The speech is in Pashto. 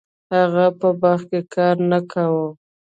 هغه په باغ کې کار نه کاوه.